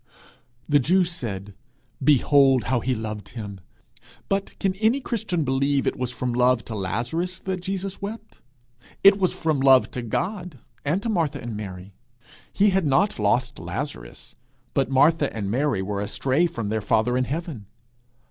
The Jews said, 'Behold how he loved him!' but can any Christian believe it was from love to Lazarus that Jesus wept? It was from love to God, and to Martha and Mary. He had not lost Lazarus; but Martha and Mary were astray from their father in heaven.